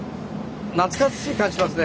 懐かしい感じしますね